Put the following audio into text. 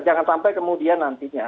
jangan sampai kemudian nantinya